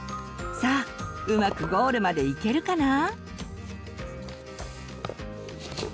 さあうまくゴールまで行けるかな？